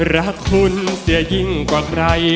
รักคุณเสียยิ่งกว่าใคร